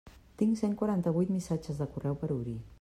Tinc cent quaranta-vuit missatges de correu per obrir.